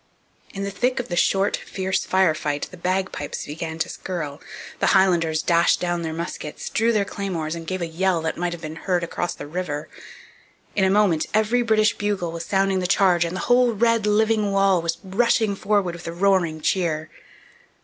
In the thick of the short, fierce fire fight the bagpipes began to skirl, the Highlanders dashed down their muskets, drew their claymores, and gave a yell that might have been heard across the river. In a moment every British bugle was sounding the 'Charge' and the whole red, living wall was rushing forward with a roaring cheer.